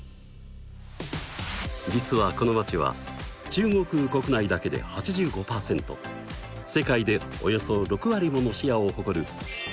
実はこの街は中国国内だけで８５％世界でおよそ６割ものシェアを誇るすごい。